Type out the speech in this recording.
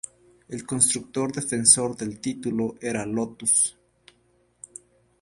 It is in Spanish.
El constructor defensor del título era Lotus.